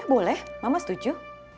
ya boleh mama setuju